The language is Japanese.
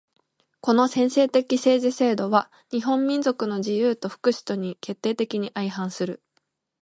この専制的政治制度は日本民族の自由と福祉とに決定的に相反する。